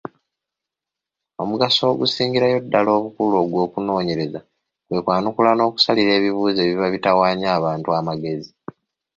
Omugaso ogusingirayo ddala obukulu ogw’okunoonyereza kwe kwanukula n’okusalira ebibuuzo ebiba bitutawaanya abantu amagezi.